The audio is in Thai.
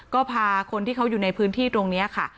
ก็พาคนที่เขาอยู่ในพื้นที่ตรงนี้ค่ะ